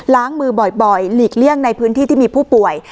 ล้างมือบ่อยหลีกเลี่ยงในพื้นที่ที่มีผู้ป่วย